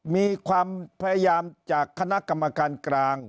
มีความพยายามจากคณะกรรมการกลาง